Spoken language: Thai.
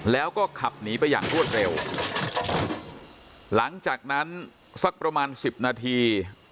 แล้วก็ขับหนีไปอย่างรวดเร็วหลังจากนั้นสักประมาณสิบนาที